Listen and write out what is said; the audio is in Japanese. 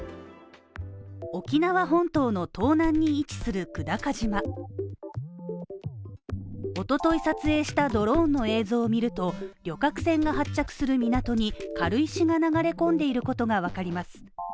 沖縄本当の東南に位置する久高島一昨日撮影したドローンの映像を見ると、旅客船の発着する港に軽石が流れ込んでいることがわかります。